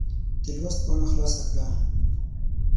د لوست پاڼه خلاصه کړه.